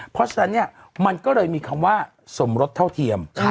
เพราะฉะนั้นเนี่ยมันก็เลยมีคำว่าสมรสเท่าเทียม